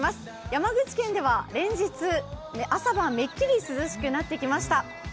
山口県では連日、朝晩めっきり涼しくなってきました。